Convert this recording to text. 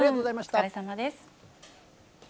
お疲れさまです。